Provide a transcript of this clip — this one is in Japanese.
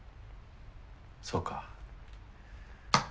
そうか。